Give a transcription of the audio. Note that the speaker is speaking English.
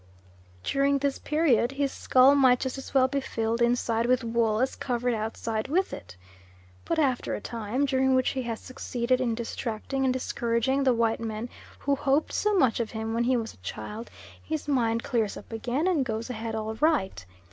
During this period, his skull might just as well be filled inside with wool as covered outside with it. But after a time, during which he has succeeded in distracting and discouraging the white men who hoped so much of him when he was a child, his mind clears up again and goes ahead all right.